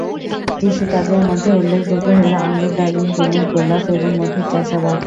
কৃষিকাজের মধ্যে উল্লেখযোগ্য হলো, আঙ্গুর, ডালিম, ডুমুর, গোলাপ এবং মধুর চাষাবাদ।